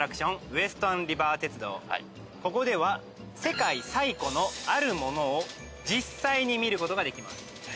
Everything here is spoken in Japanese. ここでは世界最古のあるものを実際に見ることができます。